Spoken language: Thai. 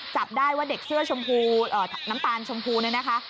จับได้ว่าเด็กเสื้อชมพูน้ำตาลชมพูเนี่ยนะคะ